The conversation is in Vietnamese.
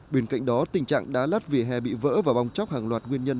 bên cạnh đó tình trạng đá lát vỉa hè bị vỡ và bong chóc hàng loạt nguyên nhân